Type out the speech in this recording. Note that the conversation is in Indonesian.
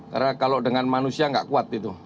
karena kalau dengan manusia nggak kuat